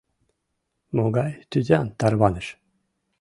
Могай тӱтан тарваныш?..